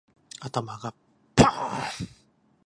頭がパーン